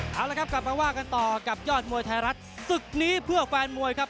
เอาละครับกลับมาว่ากันต่อกับยอดมวยไทยรัฐศึกนี้เพื่อแฟนมวยครับ